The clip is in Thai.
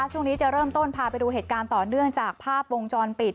ช่วงนี้จะเริ่มต้นพาไปดูเหตุการณ์ต่อเนื่องจากภาพวงจรปิด